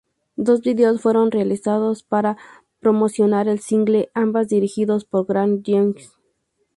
Dos videos fueron realizados para promocionar el single, ambas dirigidos por Garth Jennings.